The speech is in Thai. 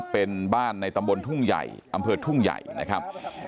เป็นบ้านในตำบลทุ่งใหญ่อำเภอทุ่งใหญ่นะครับ